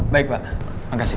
baik pak makasih